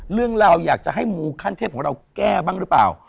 เราอยากจะให้มูขั้นเทพของเราแก้บ้างหรือเปล่า